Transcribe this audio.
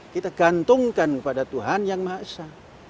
kita gantungkan kepada tuhan yang maha esa